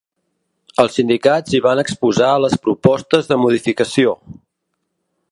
Els sindicats hi van exposar les propostes de modificació.